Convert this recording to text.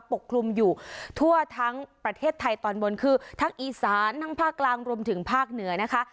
ปกคลุมอยู่ทั่วทั้งประเทศไทยตอนบนคือทั้งอีสานทั้งภาคกลางรวมถึงภาคเหนือนะคะ